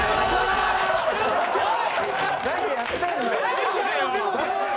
何やってんのよ！